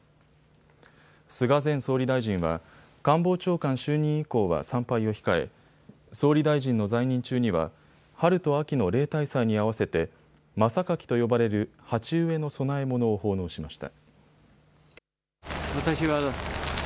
菅前総理大臣は官房長官就任以降は参拝を控え総理大臣の在任中には春と秋の例大祭に合わせて真榊と呼ばれる鉢植えの供え物を奉納しました。